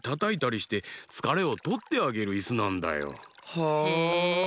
へえ。